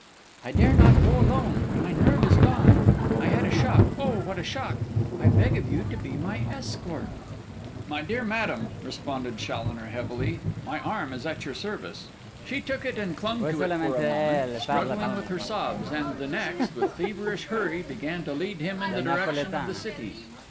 'I dare not go alone; my nerve is gone—I had a shock, oh, what a shock! I beg of you to be my escort.' 'My dear madam,' responded Challoner heavily, 'my arm is at your service.' 'She took it and clung to it for a moment, struggling with her sobs; and the next, with feverish hurry, began to lead him in the direction of the city.